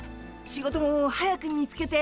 仕事も早く見つけて。